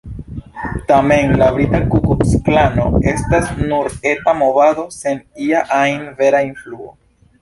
Tamen, la brita Ku-Kluks-Klano estas nur eta movado, sen ia ajn vera influo.